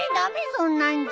そんなんじゃ。